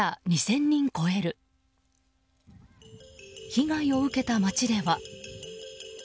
被害を受けた町では。